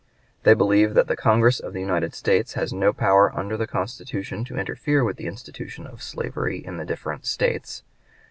They believe that the Congress of the United States has no power under the Constitution to interfere with the institution of slavery in the different States.